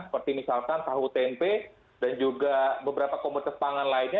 seperti misalkan tahu tempe dan juga beberapa komunitas pangan lainnya